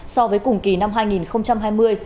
so với cùng kỳ năm hai nghìn hai mươi